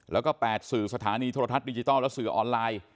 แล้วก็๘สื่อสถานีโทรทัศน์ดิจิทัลและสื่อออนไลน์